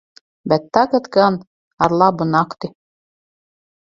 Bet tagad gan - ar labu nakti...